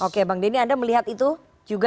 oke bang denny anda melihat itu juga